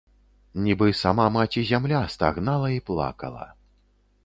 Нібы сама маці зямля стагнала і плакала.